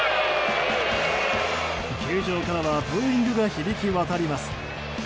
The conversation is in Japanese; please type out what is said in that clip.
球場からはブーイングが響き渡ります。